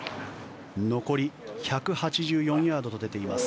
残り１８４ヤードと出ています。